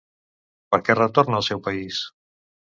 Per què retorna al seu país?